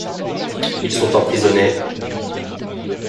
Ils sont emprisonnés.